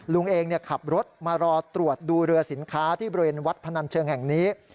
ลุงเองขับรถมารอตรวจดูเรือสินค้าที่บริเวณวัดพนันเชิงแห่งนี้